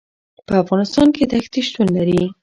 په افغانستان کې دښتې شتون لري.